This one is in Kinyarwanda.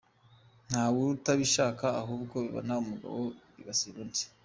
Ntawutabishaka ahubwo bibona umugabo bigasiba undi.